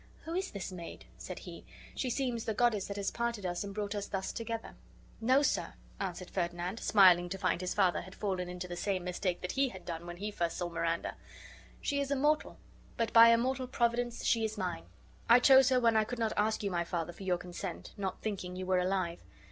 "Who is this maid?" said he; "she seems the goddess that has parted us, and brought us thus together." "No, sir," answered Ferdinand, smiling to find his father had fallen into the same mistake that he had done when he first saw Miranda, "she is a mortal, but by immortal Providence she is mine; I chose her when I could not ask you, my father, for your consent, not thinking you were alive.